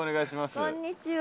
こんにちは。